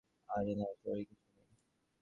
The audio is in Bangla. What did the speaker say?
আরে না, সরির কিছু নেই।